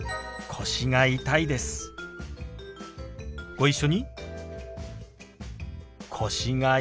ご一緒に。